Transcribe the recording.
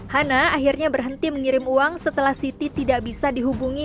hana akhirnya berhenti mengirim uang setelah siti tidak bisa dihubungi